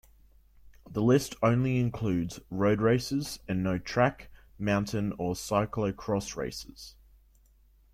The list only includes road races, and no track, mountain or cyclo-cross races.